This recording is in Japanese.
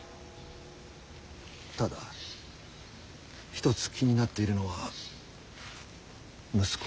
ただ一つ気になっているのは息子の清宗。